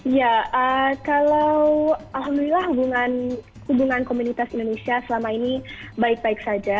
ya kalau alhamdulillah hubungan komunitas indonesia selama ini baik baik saja